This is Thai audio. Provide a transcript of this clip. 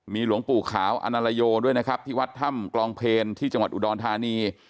หลวงปู่ขาวอนาลโยด้วยนะครับที่วัดถ้ำกลองเพลที่จังหวัดอุดรธานี